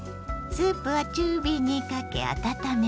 スープは中火にかけ温めます。